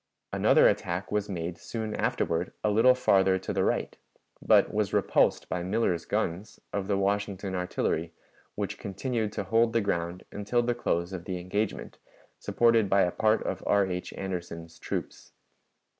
Another attack was made soon afterward a little farther to the right, but was repulsed by Miller's guns, of the Washington Artillery, which continued to hold the ground until the close of the engagement, supported by a part of R. H. Anderson's troops.